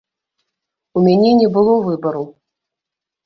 У мяне не было выбару.